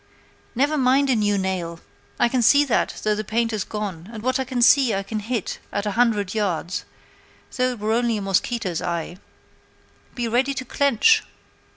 'Never mind a new nail; I can see that, though the paint is gone, and what I can see I can hit at a hundred yards, though it were only a mosquito's eye. Be ready to clench!'